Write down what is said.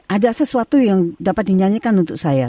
ada sesuatu yang dapat dinyanyikan untuk saya